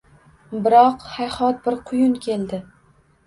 Biroq, hayhot, bir quyun keldi…